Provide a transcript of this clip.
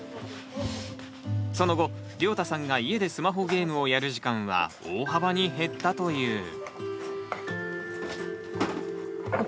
その後りょうたさんが家でスマホゲームをやる時間は大幅に減ったという。